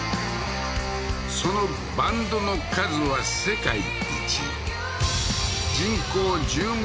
そのバンドの数は世界一人口１０万